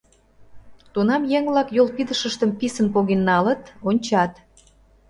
Тунам еҥ-влак йолпидышыштым писын поген налыт, ончат.